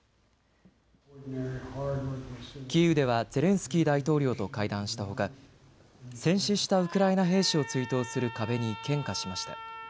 キーウではゼレンスキー大統領と会談したほか戦死したウクライナ兵士を追悼する壁に献花しました。